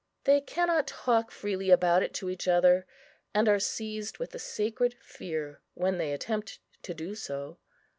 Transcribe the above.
They cannot talk freely about it to each other, and are seized with a sacred fear when they attempt to do so.